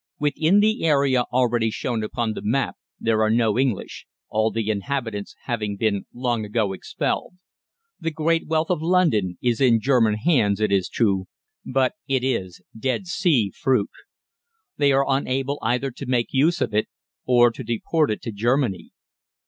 Within the area already shown upon the map there are no English, all the inhabitants having been long ago expelled. The great wealth of London is in German hands, it is true, but it is Dead Sea fruit. They are unable either to make use of it or to deport it to Germany.